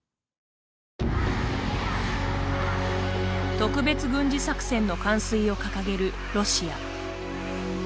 特別軍事作戦の完遂を掲げるロシア。